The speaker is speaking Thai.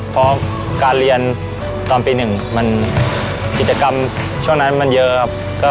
เพราะการเรียนตอนปี๑มันกิจกรรมช่วงนั้นมันเยอะครับ